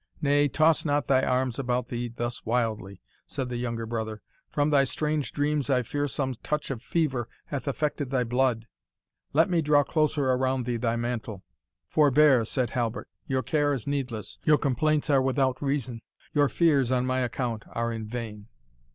Nay, toss not thy arms about thee thus wildly," said the younger brother; "from thy strange dreams, I fear some touch of fever hath affected thy blood let me draw closer around thee thy mantle." "Forbear," said Halbert "your care is needless your complaints are without reason your fears on my account are in vain."